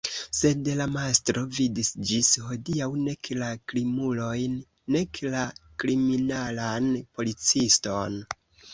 Sed la mastro vidis ĝis hodiaŭ nek la krimulojn nek la kriminalan policiston.